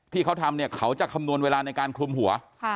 ที่เขาทำเนี่ยเขาจะคำนวณเวลาในการคลุมหัว